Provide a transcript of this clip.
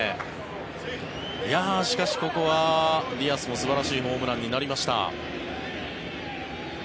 しかし、ここはディアスも素晴らしいホームランになりました。